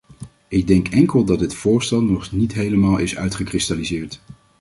Ik denk enkel dat dit voorstel nog niet helemaal is uitgekristalliseerd.